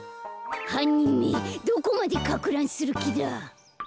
はんにんめどこまでかくらんするきだ。